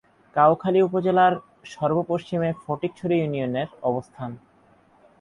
কাউখালী উপজেলার সর্ব-পশ্চিমে ফটিকছড়ি ইউনিয়নের অবস্থান।